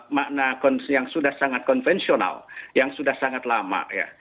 makna yang sudah sangat konvensional yang sudah sangat lama ya